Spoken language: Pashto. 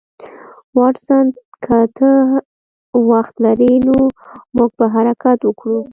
واټسن که ته وخت لرې نو موږ به حرکت وکړو